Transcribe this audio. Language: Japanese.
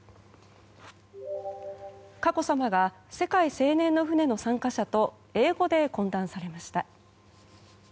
佳子さまが世界青年の船の参加者と英語で懇談されました。